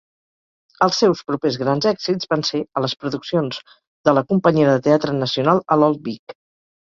Els seus propers grans èxits van ser a les produccions del la Companyia de Teatre Nacional a l'Old Vic.